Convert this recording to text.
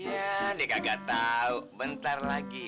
iya deh kagak tau bentar lagi